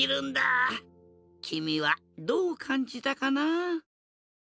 きみはどうかんじたかな？